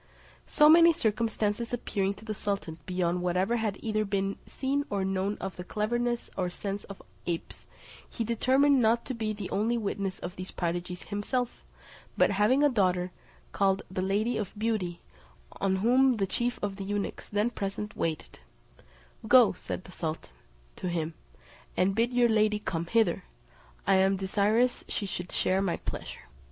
So many circumstances appearing to the sultan beyond whatever had either been seen or known of the cleverness or sense of apes, he determined not to be the only witness of these prodigies himself, but having a daughter, called the Lady of Beauty, on whom the chief of the eunuchs, then present, waited; "Go," said the sultan to him, "and bid your lady come hither: I am desirous she should share my pleasure."